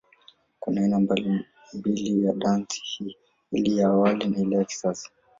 Kuna aina mbili ya dansi hii, ile ya awali na ya hii ya kisasa.